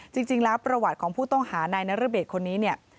จริงแล้วประวัติของผู้ต้องหานายนรเบศคนนี้เนี่ย